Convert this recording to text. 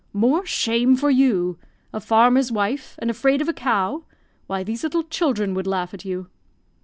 "More shame for you! A farmer's wife, and afraid of a cow! Why, these little children would laugh at you."